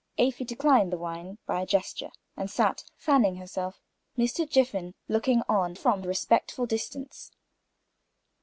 Afy declined the wine by a gesture, and sat fanning herself. Mr. Jiffin looking on from a respectful distance.